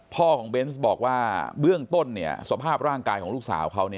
พ่อของเบนส์บอกว่าเบื้องต้นสภาพร่างกายของลูกสาวเขา